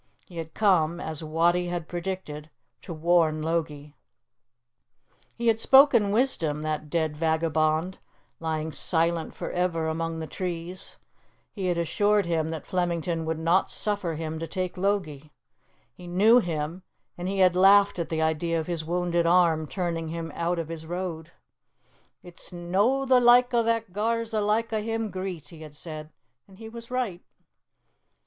He had come, as Wattie had predicted, to warn Logie. He had spoken wisdom, that dead vagabond, lying silent for ever among the trees; he had assured him that Flemington would not suffer him to take Logie. He knew him, and he had laughed at the idea of his wounded arm turning him out of his road. "It's no the like o' that that gars the like o' him greet," he had said; and he was right.